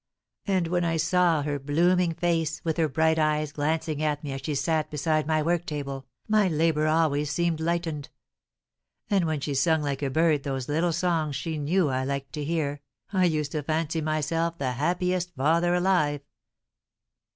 And when I saw her blooming face, with her bright eyes glancing at me as she sat beside my work table, my labour always seemed lightened; and when she sung like a bird those little songs she knew I liked to hear, I used to fancy myself the happiest father alive.